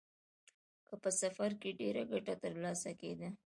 که په سفر کې ډېره ګټه ترلاسه کېده